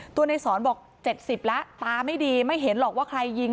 ตัวในสอนบอก๗๐แล้วตาไม่ดีไม่เห็นหรอกว่าใครยิง